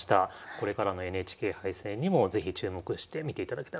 これからのＮＨＫ杯戦にも是非注目して見ていただけたらと思います。